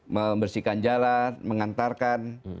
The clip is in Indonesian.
membersihkan jalan mengantarkan